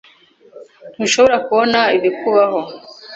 Ntushobora kubona ibikubaho?